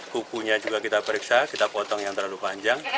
kukunya juga kita periksa kita potong yang terlalu panjang